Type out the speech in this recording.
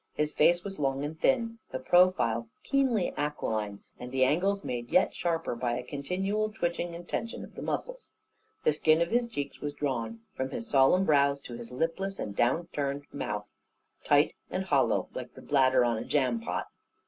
His face was long and thin, the profile keenly aquiline; and the angles made yet sharper, by a continual twitching and tension of the muscles. The skin of his cheeks was drawn, from his solemn brows to his lipless and down curved mouth, tight and hollow, like the bladder on a jam pot.